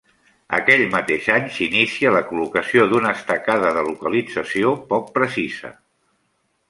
Aquell mateix any s'inicia la col·locació d'una estacada de localització poc precisa.